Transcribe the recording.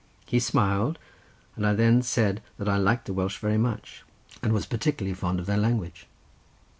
He smiled, and I then said that I liked the Welsh very much, and was particularly fond of their language.